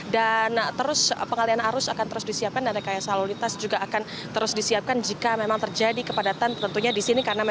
dan terus pengalian arus akan terus disiapkan